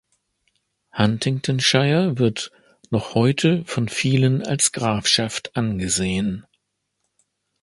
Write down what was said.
Huntingdonshire wird noch heute von vielen als Grafschaft angesehen.